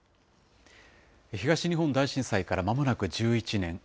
東日本大震災からまもなく１１年。